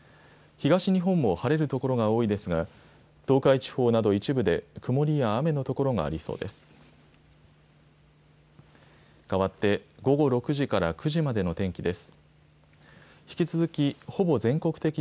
東日本も晴れる所が多いですが、東海地方など一部で曇りや雨の所がありそうです。